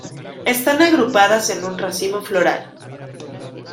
Están agrupadas en un racimo floral.